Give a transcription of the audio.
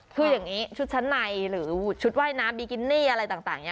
คืออย่างนี้ชุดชั้นในหรือชุดว่ายน้ำบิกินี่อะไรต่าง